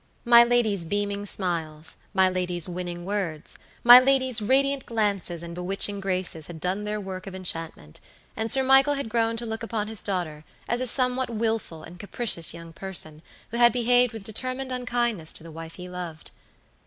My lady's beaming smiles, my lady's winning words, my lady's radiant glances and bewitching graces had done their work of enchantment, and Sir Michael had grown to look upon his daughter as a somewhat wilful and capricious young person who had behaved with determined unkindness to the wife he loved.